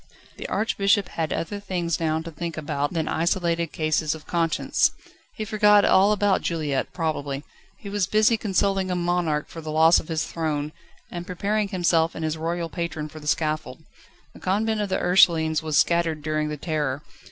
The Archbishop had other things now to think about than isolated cases of conscience. He forgot all about Juliette, probably. He was busy consoling a monarch for the loss of his throne, and preparing himself and his royal patron for the scaffold. The Convent of the Ursulines was scattered during the Terror.